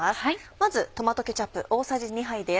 まずトマトケチャップ大さじ２杯です。